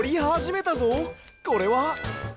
これは？